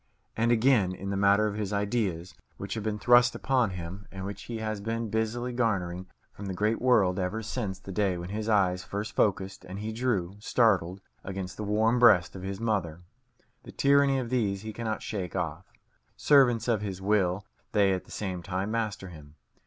And again, in the matter of his ideas, which have been thrust upon him, and which he has been busily garnering from the great world ever since the day when his eyes first focussed and he drew, startled, against the warm breast of his mother the tyranny of these he cannot shake off. Servants of his will, they at the same time master him.